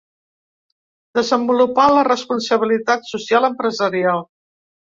Desenvolupà la responsabilitat social empresarial.